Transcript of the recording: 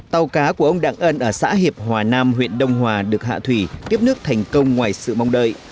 tàu cá của ông đặng ân ở xã hiệp hòa nam huyện đông hòa được hạ thủy tiếp nước thành công ngoài sự mong đợi